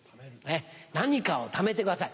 何かをためてください。